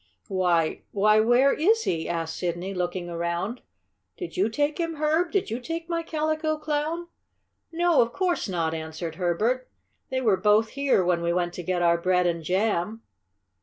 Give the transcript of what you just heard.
"Why why, where is he?" asked Sidney, looking around. "Did you take him, Herb? Did you take my Calico Clown?" "No, of course not," answered Herbert. "They were both here when we went to get our bread and jam.